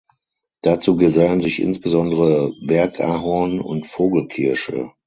Dazu gesellen sich insbesondere Bergahorn und Vogelkirsche.